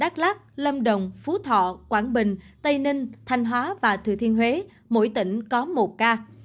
đắk lắc lâm đồng phú thọ quảng bình tây ninh thanh hóa và thừa thiên huế mỗi tỉnh có một ca